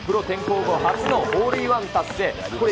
プロ転向後初のホールインワン達成。